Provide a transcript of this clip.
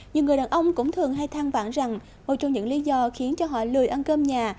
nhiều người đàn ông cũng thường hay thang vàng rằng một trong những lý do khiến cho họ lười ăn cơm nhà